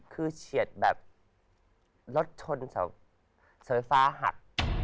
คือเฉียดแบบรถชนสวรรค์ภาคหัก